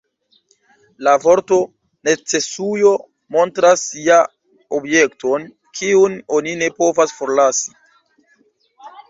La vorto _necesujo_ montras ja objekton, kiun oni ne povas forlasi.